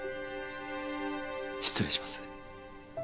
失礼します。